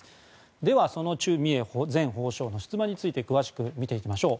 ではそのチュ・ミエ前法相の出馬について詳しく見ていきましょう。